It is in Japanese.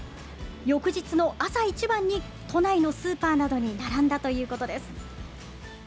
翌日の朝一番に都内のスーパーなどに並んだということです。